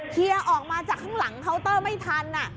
เคลียร์ออกมาจากข้างหลังเคาน์เตอร์ไม่ทัน